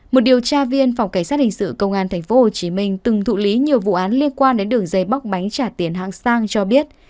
một điều tra viên phòng cảnh sát hình sự công an tp hcm từng thụ lý nhiều vụ án liên quan đến đường dây bóc bánh trả tiền hạng sang cho biết